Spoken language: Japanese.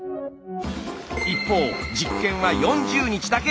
一方実験は４０日だけ。